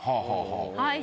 はい。